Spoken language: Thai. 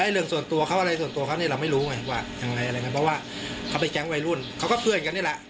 เพราะเขาไปแจ๊งไว้รุ่นเขาก็เพื่อนกันแล้ว